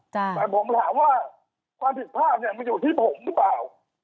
แต่ผมถามว่าความผิดพลาดเนี่ยมันอยู่ที่ผมหรือเปล่า